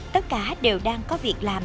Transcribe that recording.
tất cả đều đang có việc làm